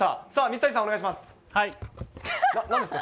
水谷さん、お願いします。